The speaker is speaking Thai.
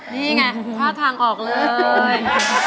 นี่ไงท่าทางออกเลย